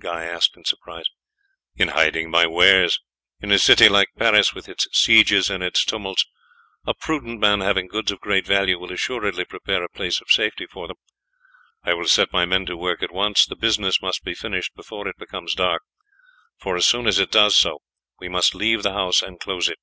Guy asked in surprise. "In hiding my wares. In a city like Paris, with its sieges and its tumults, a prudent man having goods of great value will assuredly prepare a place of safety for them. I will set my men to work at once; the business must be finished before it becomes dark, for as soon as it does so we must leave the house and close it."